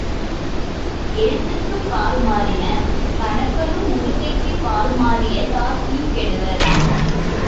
எழுத்துக்குப் பால் மாறின கணக்கனும் உடுக்கைக்குப் பால் மாறிய தாசியும் கெடுவர்.